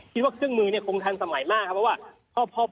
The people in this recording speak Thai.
เครื่องมือเนี่ยคงทันสมัยมากครับเพราะว่า